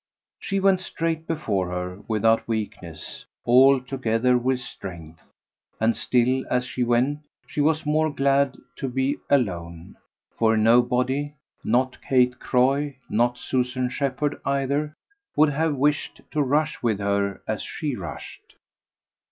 She went straight before her, without weakness, altogether with strength; and still as she went she was more glad to be alone, for nobody not Kate Croy, not Susan Shepherd either would have wished to rush with her as she rushed.